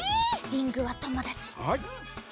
リングはともだち。